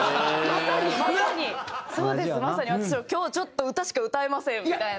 まさに私も「今日ちょっと歌しか歌えません」みたいな。